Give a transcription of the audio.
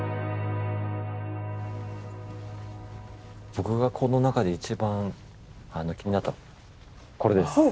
僕がこの中で一番気になったのはこれです。